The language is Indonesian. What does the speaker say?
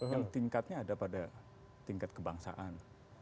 yang tingkatnya ada pada tingkat kebangsaan